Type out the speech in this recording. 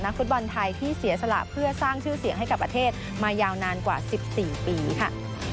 ฟุตบอลไทยที่เสียสละเพื่อสร้างชื่อเสียงให้กับประเทศมายาวนานกว่า๑๔ปีค่ะ